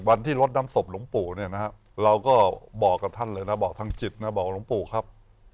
วันที่ลดน้ำศพหลวงปู่เนี่ยนะฮะเราก็บอกกับท่านเลยนะบอกทางจิตนะบอกหลวงปู่ครับ